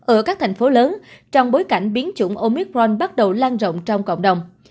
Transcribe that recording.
ở các thành phố lớn trong bối cảnh biến chủng omicron bắt đầu lan rộng trong cộng đồng